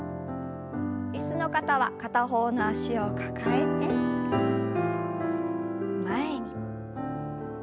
椅子の方は片方の脚を抱えて前に。